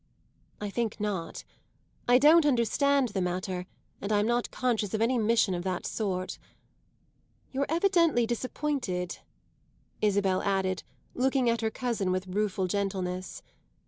"I think not. I don't understand the matter, and I'm not conscious of any mission of that sort. You're evidently disappointed," Isabel added, looking at her cousin with rueful gentleness.